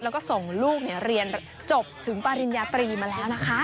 แล้วก็ส่งลูกเรียนจบถึงปริญญาตรีมาแล้วนะคะ